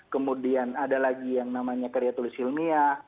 kemudian ada lagi yang namanya karya tulis ilmiah